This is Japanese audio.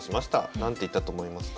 何て言ったと思いますか？